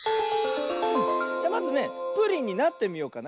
まずねプリンになってみようかな。